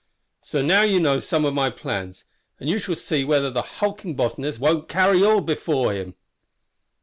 So now you know some of my plans, and you shall see whether the hulking botanist won't carry all before him."